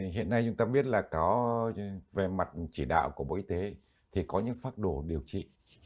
hiện nay chúng ta biết là có về mặt chỉ đạo của bộ y tế thì có những phác đồ điều trị